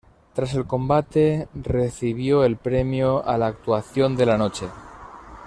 Tras el combate recibió el premio a la "Actuación de la Noche".